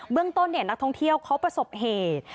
เรื่องต้นนักท่องเที่ยวเขาประสบเหตุ